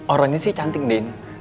orangnya sih cantik din